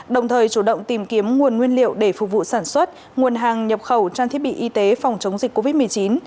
đồng thời chủ động tìm kiếm nguồn nguyên liệu để phục vụ sản xuất nguồn hàng nhập khẩu trang thiết bị y tế phòng chống dịch covid một mươi chín